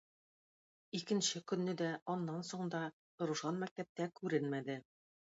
Икенче көнне дә, аннан соң да Рушан мәктәптә күренмәде.